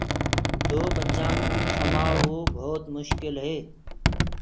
دو ٻچآنٚ ڪوُ سمآݪوو ڀوت مسڪِل هي۔